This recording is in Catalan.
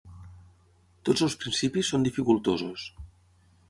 Tots els principis són dificultosos.